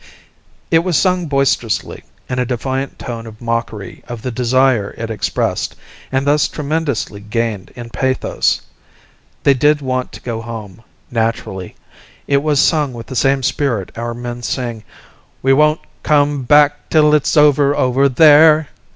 It was sung boisterously, in a defiant tone of mockery of the desire it expressed, and thus tremendously gained in pathos. They did want to go home naturally. It was sung with the same spirit our men sing "We won't come back till it's over, over there!"